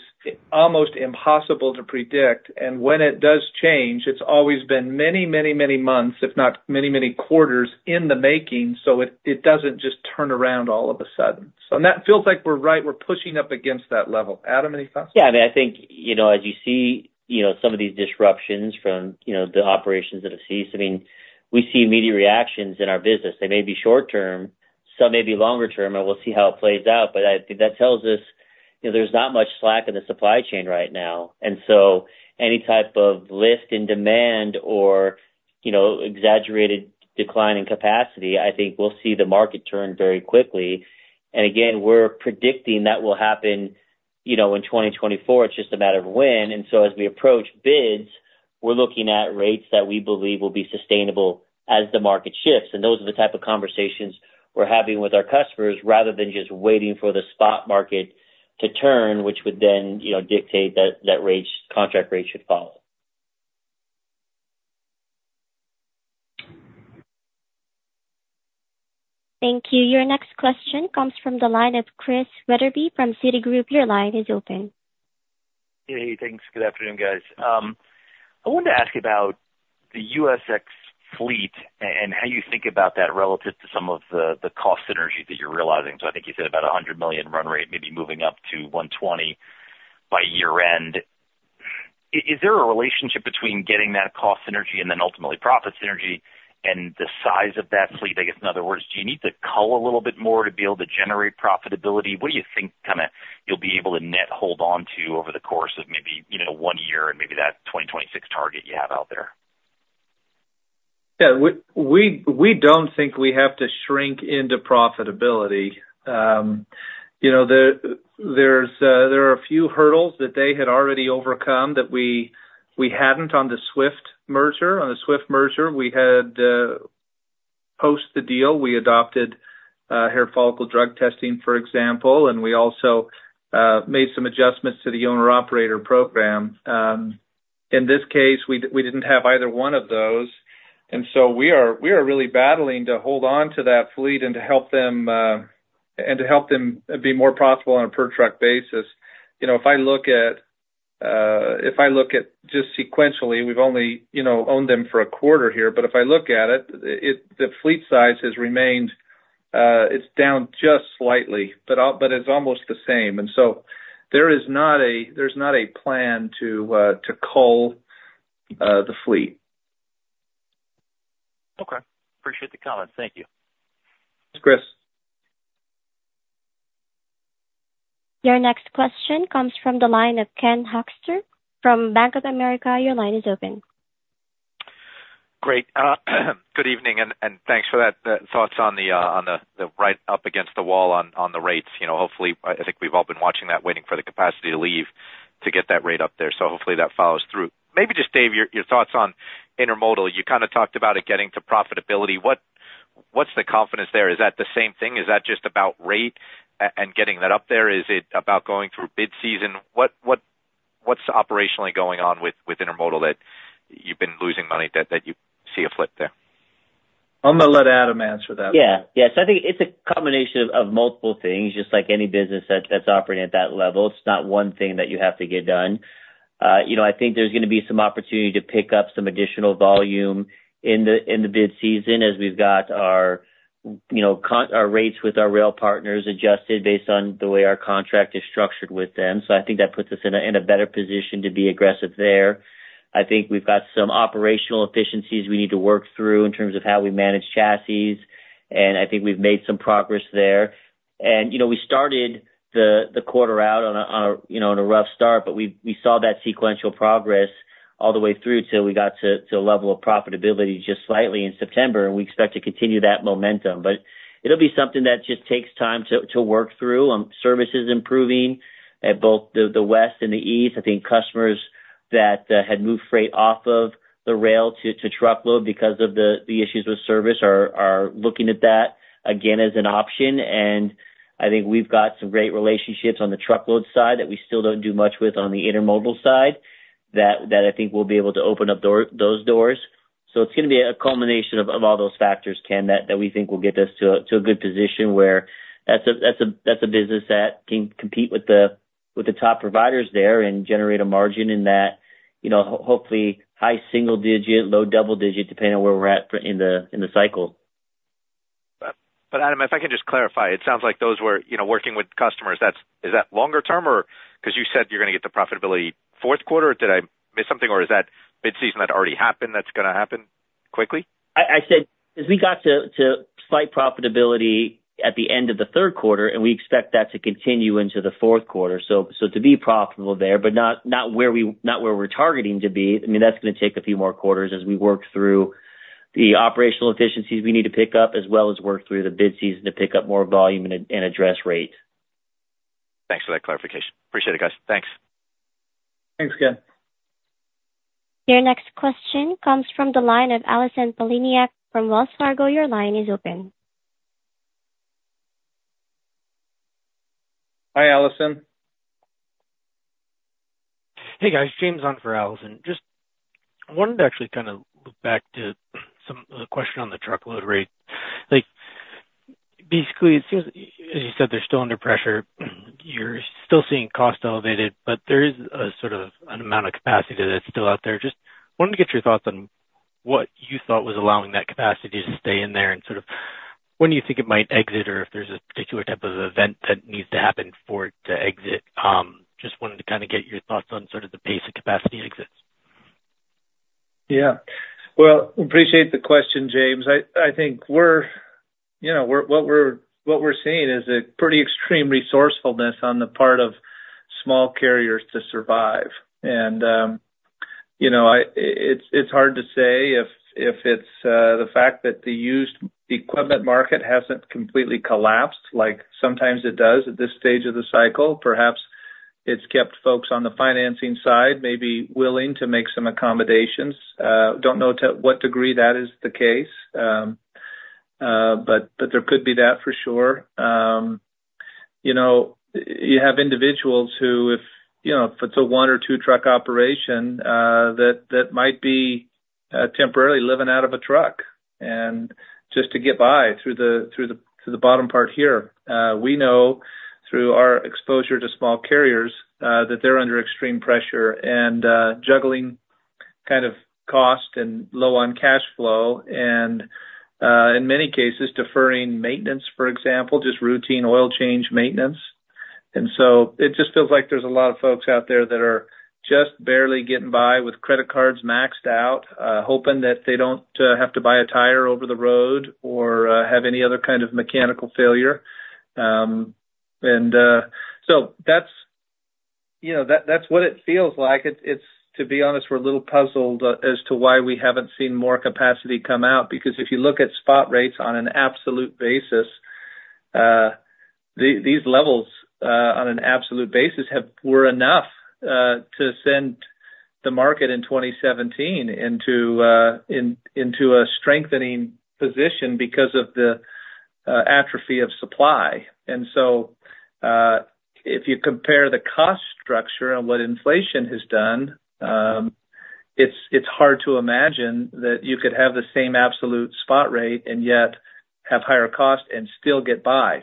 almost impossible to predict. When it does change, it's always been many, many, many months, if not many, many quarters, in the making, so it doesn't just turn around all of a sudden. That feels like we're right, we're pushing up against that level. Adam, any thoughts? Yeah, I mean, I think, you know, as you see, you know, some of these disruptions from, you know, the operations that have ceased, I mean, we see immediate reactions in our business. They may be short-term, some may be longer-term, and we'll see how it plays out, but I think that tells us, you know, there's not much slack in the supply chain right now. Any type of lift in demand or, you know, exaggerated decline in capacity, I think we'll see the market turn very quickly. Again, we're predicting that will happen, you know, in 2024. It's just a matter of when. As we approach bids, we're looking at rates that we believe will be sustainable as the market shifts. Those are the type of conversations we're having with our customers, rather than just waiting for the spot market to turn, which would then, you know, dictate that rates, contract rates should follow. Thank you. Your next question comes from the line of Chris Wetherbee from Citigroup. Your line is open. Hey, thanks. Good afternoon, guys. I wanted to ask about the USX fleet and how you think about that relative to some of the cost synergies that you're realizing. I think you said about $100 million run rate, maybe moving up to 120 by year-end. Is there a relationship between getting that cost synergy and then ultimately profit synergy and the size of that fleet? I guess, in other words, do you need to cull a little bit more to be able to generate profitability? What do you think, kind of, you'll be able to net hold on to over the course of maybe, you know, one year and maybe that 2026 target you have out there? Yeah, we don't think we have to shrink into profitability. You know, there are a few hurdles that they had already overcome that we hadn't on the Swift merger. On the Swift merger, we had, post the deal, we adopted hair follicle drug testing, for example, and we also made some adjustments to the owner-operator program. In this case, we didn't have either one of those, and so we are really battling to hold on to that fleet and to help them and to help them be more profitable on a per truck basis. You know, if I look at just sequentially, we've only, you know, owned them for a quarter here, but if I look at it, it... The fleet size has remained. It's down just slightly, but it's almost the same. So there is not a, there's not a plan to cull the fleet. Okay. Appreciate the comment. Thank you. Thanks, Chris. Your next question comes from the line of Ken Hoexter from Bank of America. Your line is open. Great. Good evening, and thanks for that thoughts on the right up against the wall on the rates. You know, hopefully, I think we've all been watching that, waiting for the capacity to leave, to get that rate up there. Hopefully that follows through. Maybe just, Dave, your thoughts on intermodal. You kind of talked about it getting to profitability. What's the confidence there? Is that the same thing? Is that just about rate and getting that up there? Is it about going through bid season? What's operationally going on with intermodal that you've been losing money, that you see a flip there? I'm gonna let Adam answer that. Yeah. Yes, I think it's a combination of multiple things, just like any business that's operating at that level. It's not one thing that you have to get done. You know, I think there's gonna be some opportunity to pick up some additional volume in the bid season, as we've got our, you know, our rates with our rail partners adjusted based on the way our contract is structured with them. I think that puts us in a better position to be aggressive there. I think we've got some operational efficiencies we need to work through in terms of how we manage chassis, and I think we've made some progress there. You know, we started the quarter out, you know, on a rough start, but we saw that sequential progress all the way through till we got to a level of profitability just slightly in September, and we expect to continue that momentum. It'll be something that just takes time to work through. Services improving at both the West and the East. I think customers that had moved freight off of the rail to Truckload because of the issues with service are looking at that again as an option. I think we've got some great relationships on the Truckload side that we still don't do much with on the intermodal side, that I think we'll be able to open up those doors. It's gonna be a culmination of all those factors, Ken, that we think will get us to a good position where that's a business that can compete with the top providers there and generate a margin in that, you know, hopefully, high single-digit, low double-digit, depending on where we're at in the cycle. Adam, if I could just clarify, it sounds like those were, you know, working with customers. Is that longer term or? 'Cause you said you're gonna get to profitability fourth quarter. Did I miss something, or is that mini-bid that already happened, that's gonna happen quickly? I said, as we got to slight profitability at the end of the third quarter, and we expect that to continue into the fourth quarter. To be profitable there, but not where we're targeting to be. I mean, that's gonna take a few more quarters as we work through the operational efficiencies we need to pick up, as well as work through the bid season to pick up more volume and address rate. Thanks for that clarification. Appreciate it, guys. Thanks. Thanks, Ken. Your next question comes from the line of Allison Poliniak from Wells Fargo. Your line is open. Hi, Allison. Hey, guys. James on for Allison. Just wanted to actually kind of loop back to the question on the Truckload rate. Like, basically, it seems, as you said, they're still under pressure. You're still seeing cost elevated, but there is a sort of an amount of capacity that's still out there. Just wanted to get your thoughts on what you thought was allowing that capacity to stay in there, and sort of, when do you think it might exit, or if there's a particular type of event that needs to happen for it to exit? Just wanted to kind of get your thoughts on sort of the pace of capacity exits. Yeah. Well, appreciate the question, James. I think we're, you know, what we're seeing is a pretty extreme resourcefulness on the part of small carriers to survive. You know, it's hard to say if it's the fact that the used equipment market hasn't completely collapsed, like sometimes it does at this stage of the cycle. Perhaps it's kept folks on the financing side, maybe willing to make some accommodations. Don't know to what degree that is the case, but there could be that for sure. You know, you have individuals who if, you know, if it's a one or two truck operation, that might be temporarily living out of a truck, and just to get by through the bottom part here. We know through our exposure to small carriers that they're under extreme pressure and juggling kind of cost and low on cash flow and, in many cases, deferring maintenance, for example, just routine oil change maintenance. So it just feels like there's a lot of folks out there that are just barely getting by with credit cards maxed out, hoping that they don't have to buy a tire over the road or have any other kind of mechanical failure. So that's, you know, that's what it feels like. To be honest, we're a little puzzled as to why we haven't seen more capacity come out, because if you look at spot rates on an absolute basis, these levels on an absolute basis were enough to send the market in 2017 into a strengthening position because of the atrophy of supply. If you compare the cost structure and what inflation has done, it's hard to imagine that you could have the same absolute spot rate and yet have higher cost and still get by.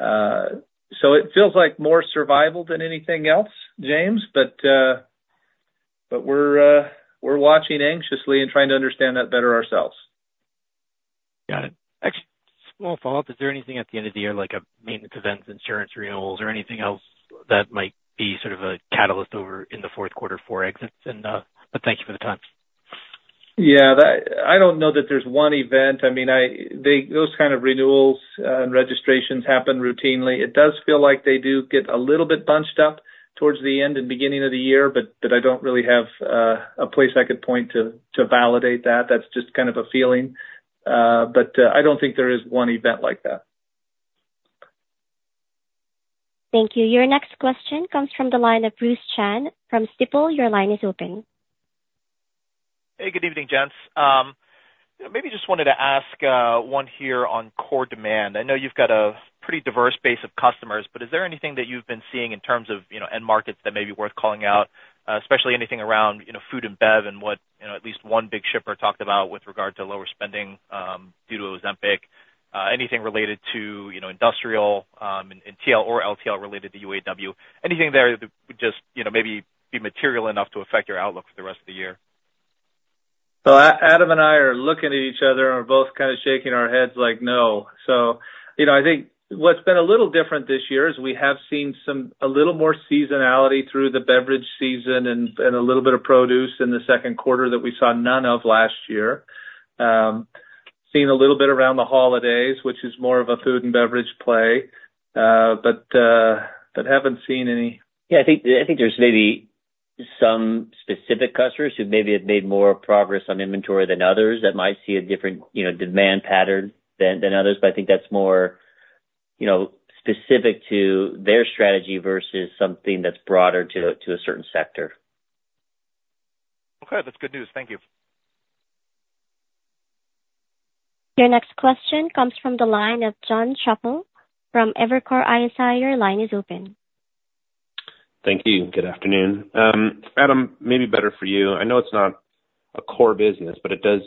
It feels like more survival than anything else, James, but we're watching anxiously and trying to understand that better ourselves. Got it. Actually, small follow-up. Is there anything at the end of the year, like a maintenance events, insurance renewals, or anything else that might be sort of a catalyst over in the fourth quarter for exits? Thank you for the time. Yeah, I don't know that there's one event. I mean, those kind of renewals and registrations happen routinely. It does feel like they do get a little bit bunched up towards the end and beginning of the year, but I don't really have a place I could point to, to validate that. That's just kind of a feeling, but I don't think there is one event like that. Thank you. Your next question comes from the line of Bruce Chan from Stifel. Your line is open. Hey, good evening, gents. Maybe just wanted to ask one here on core demand. I know you've got a pretty diverse base of customers, but is there anything that you've been seeing in terms of, you know, end markets that may be worth calling out, especially anything around, you know, food and bev and what, you know, at least one big shipper talked about with regard to lower spending due to Ozempic? Anything related to, you know, industrial and TL or LTL related to UAW? Anything there that would just, you know, maybe be material enough to affect your outlook for the rest of the year? Adam and I are looking at each other and we're both kind of shaking our heads like, "No." You know, I think what's been a little different this year is we have seen a little more seasonality through the beverage season and a little bit of produce in the second quarter that we saw none of last year. Seeing a little bit around the holidays, which is more of a food and beverage play, but haven't seen any. Yeah, I think there's maybe some specific customers who maybe have made more progress on inventory than others, that might see a different, you know, demand pattern than others. I think that's more, you know, specific to their strategy versus something that's broader to a certain sector. Okay, that's good news. Thank you. Your next question comes from the line of Jon Chappell from Evercore ISI. Your line is open. Thank you. Good afternoon. Adam, maybe better for you. I know it's not a core business, but it does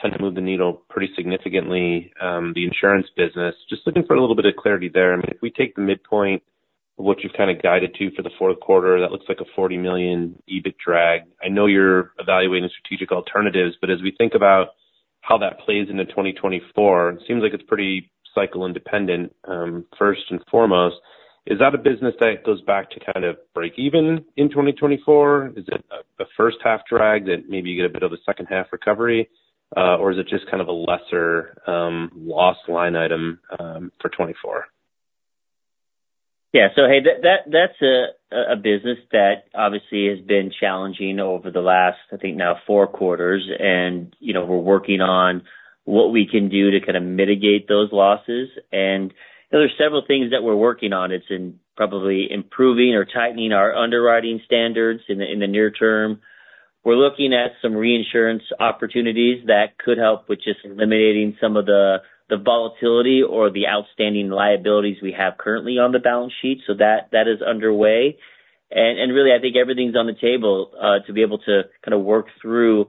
tend to move the needle pretty significantly, the insurance business. Just looking for a little bit of clarity there. I mean, if we take the midpoint of what you've kind of guided to for the fourth quarter, that looks like a $40 million EBIT drag. I know you're evaluating strategic alternatives, but as we think about how that plays into 2024, it seems like it's pretty cycle independent. First and foremost, is that a business that goes back to kind of breakeven in 2024? Is it a first half drag that maybe you get a bit of a second half recovery, or is it just kind of a lesser loss line item for 2024? Yeah. Hey, that's a business that obviously has been challenging over the last, I think now four quarters, and, you know, we're working on what we can do to kind of mitigate those losses. There are several things that we're working on. It's probably improving or tightening our underwriting standards in the near term. We're looking at some reinsurance opportunities that could help with just eliminating some of the volatility or the outstanding liabilities we have currently on the balance sheet. That is underway. Really, I think everything's on the table to be able to kind of work through, you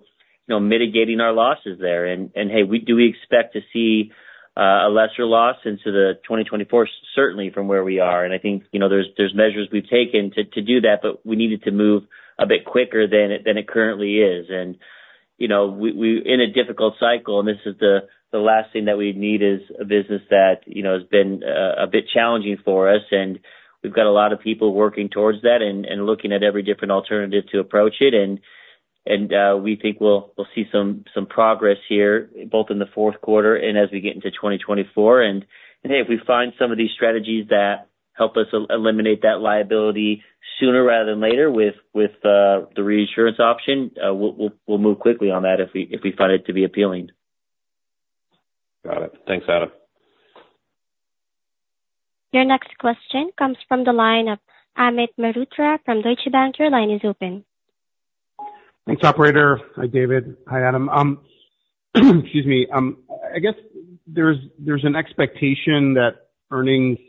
know, mitigating our losses there. Hey, do we expect to see a lesser loss into the 2024? Certainly from where we are. I think, you know, there's measures we've taken to do that, but we need it to move a bit quicker than it currently is. You know, we in a difficult cycle, and this is the last thing that we need is a business that, you know, has been a bit challenging for us, and we've got a lot of people working towards that and looking at every different alternative to approach it. We think we'll see some progress here, both in the fourth quarter and as we get into 2024. Hey, if we find some of these strategies that help us eliminate that liability sooner rather than later with the reinsurance option, we'll move quickly on that if we find it to be appealing. Got it. Thanks, Adam. Your next question comes from the line of Amit Mehrotra from Deutsche Bank. Your line is open. Thanks, operator. Hi, David. Hi, Adam. Excuse me. I guess there's an expectation that earnings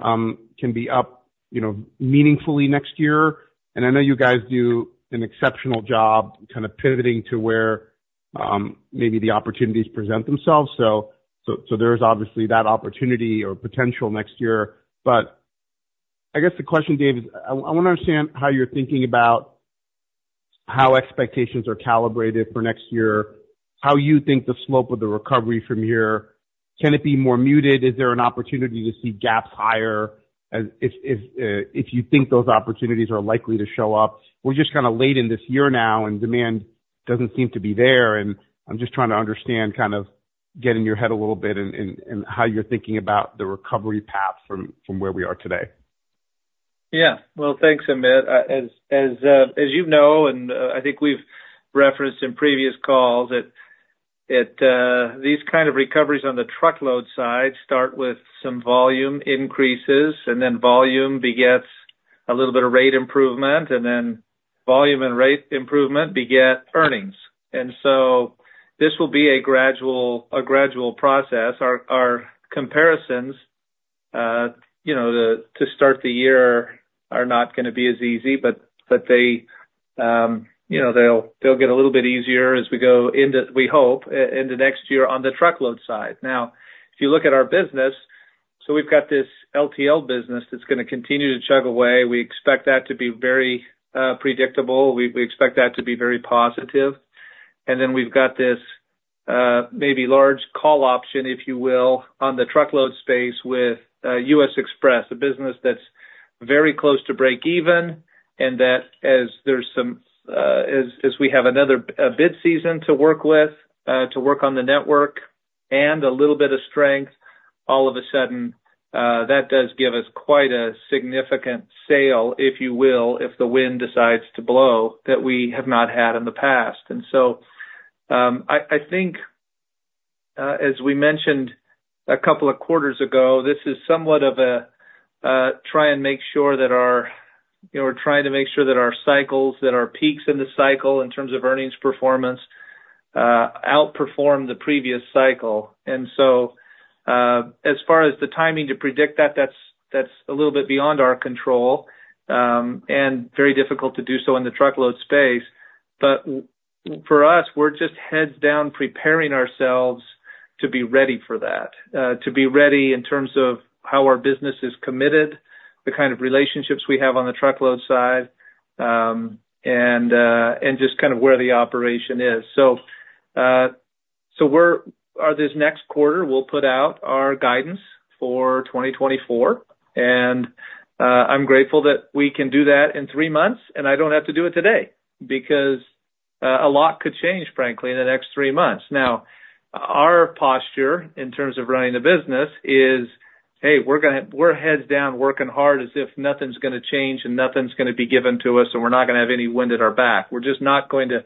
can be up, you know, meaningfully next year, and I know you guys do an exceptional job kind of pivoting to where maybe the opportunities present themselves. There is obviously that opportunity or potential next year. I guess the question, Dave, is I wanna understand how you're thinking about how expectations are calibrated for next year, how you think the slope of the recovery from here, can it be more muted? Is there an opportunity to see gaps higher as if you think those opportunities are likely to show up? We're just kind of late in this year now, and demand doesn't seem to be there. I'm just trying to understand, kind of get in your head a little bit and how you're thinking about the recovery path from where we are today. Yeah. Well, thanks, Amit. As you know, and I think we've referenced in previous calls, that these kind of recoveries on the Truckload side start with some volume increases, and then volume begets a little bit of rate improvement, and then volume and rate improvement beget earnings. This will be a gradual, a gradual process. Our comparisons, you know, to start the year are not gonna be as easy, but they, you know, they'll get a little bit easier as we go into, we hope, into next year on the Truckload side. If you look at our business, we've got this LTL business that's gonna continue to chug away. We expect that to be very predictable. We expect that to be very positive. We've got this maybe large call option, if you will, on the Truckload space with U.S. Xpress, a business that's very close to break-even, and that as there's some, as we have another bid season to work with, to work on the network and a little bit of strength, all of a sudden, that does give us quite a significant sail, if you will, if the wind decides to blow, that we have not had in the past. I think, as we mentioned a couple of quarters ago, this is somewhat of a try and make sure that, you know, we're trying to make sure that our cycles, that our peaks in the cycle, in terms of earnings performance, outperform the previous cycle. As far as the timing to predict that, that's a little bit beyond our control and very difficult to do so in the Truckload space. For us, we're just heads down, preparing ourselves to be ready for that, to be ready in terms of how our business is committed, the kind of relationships we have on the Truckload side, and just kind of where the operation is. This next quarter, we'll put out our guidance for 2024, and I'm grateful that we can do that in three months, and I don't have to do it today, because a lot could change, frankly, in the next three months. Now, our posture in terms of running the business is, hey, we're heads down, working hard as if nothing's gonna change and nothing's gonna be given to us, and we're not gonna have any wind at our back. We're just not going to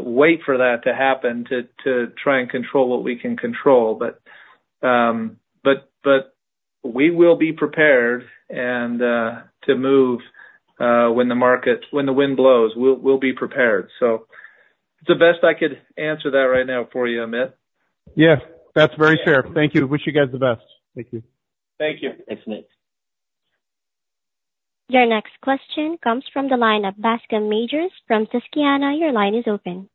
wait for that to happen, to try and control what we can control. But we will be prepared and to move when the wind blows, we'll be prepared. It's the best I could answer that right now for you, Amit. Yes, that's very fair. Thank you. Wish you guys the best. Thank you. Thank you. Thanks, Amit. Your next question comes from the line of Bascome Majors from Susquehanna. Your line is open.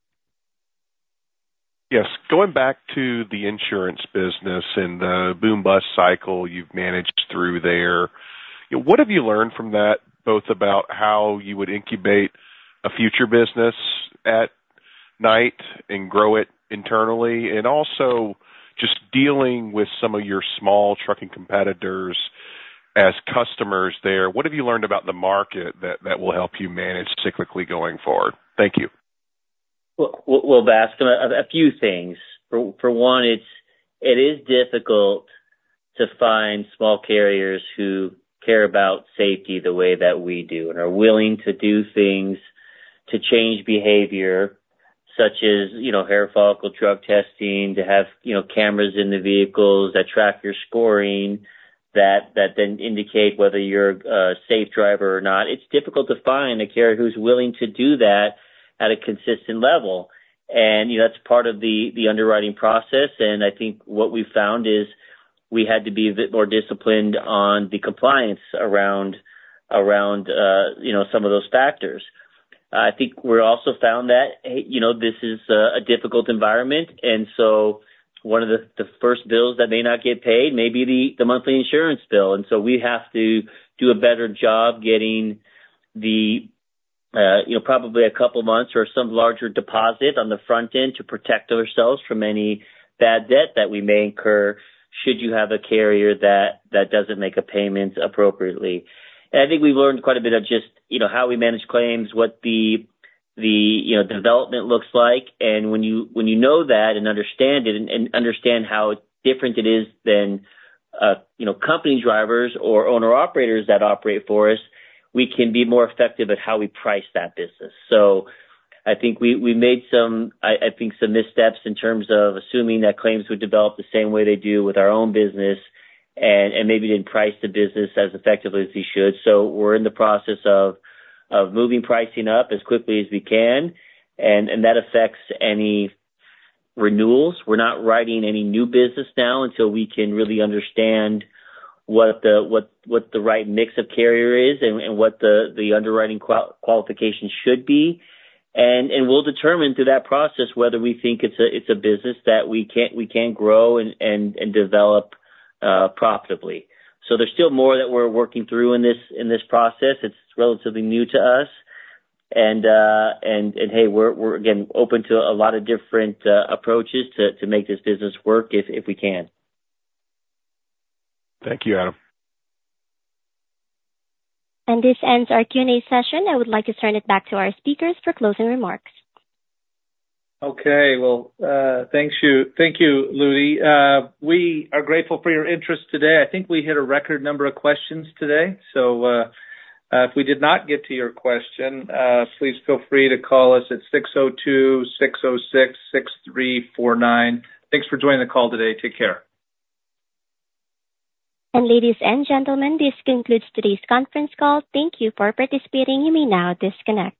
Yes. Going back to the insurance business and the boom-bust cycle you've managed through there, what have you learned from that, both about how you would incubate a future business at Knight and grow it internally? Also just dealing with some of your small trucking competitors as customers there, what have you learned about the market that will help you manage cyclically going forward? Thank you. Well, well, Bascome, a few things. For one, it is difficult to find small carriers who care about safety the way that we do and are willing to do things to change behavior, such as, you know, hair follicle drug testing, to have, you know, cameras in the vehicles that track your scoring, that then indicate whether you're a safe driver or not. It's difficult to find a carrier who's willing to do that at a consistent level. You know, that's part of the underwriting process, and I think what we found is we had to be a bit more disciplined on the compliance around, you know, some of those factors. I think we're also found that, hey, you know, this is a difficult environment, and so one of the first bills that may not get paid may be the monthly insurance bill. We have to do a better job getting the, you know, probably a couple months or some larger deposit on the front end to protect ourselves from any bad debt that we may incur, should you have a carrier that doesn't make a payment appropriately. I think we've learned quite a bit of just, you know, how we manage claims, what the, you know, development looks like. When you know that and understand it and understand how different it is than, you know, company drivers or owner-operators that operate for us, we can be more effective at how we price that business. I think we made some, I think, some missteps in terms of assuming that claims would develop the same way they do with our own business and maybe didn't price the business as effectively as we should. We're in the process of moving pricing up as quickly as we can, and that affects any renewals. We're not writing any new business now until we can really understand what the right mix of carrier is and what the underwriting qualification should be. We'll determine through that process whether we think it's a business that we can grow and develop profitably. There's still more that we're working through in this process. It's relatively new to us. Hey, we're again open to a lot of different approaches to make this business work if we can. Thank you, Adam. Okay. Well, thank you, Ludy. We are grateful for your interest today. I think we hit a record number of questions today. If we did not get to your question, please feel free to call us at 602-606-6349. Thanks for joining the call today. Take care. Ladies and gentlemen, this concludes today's conference call. Thank you for participating. You may now disconnect.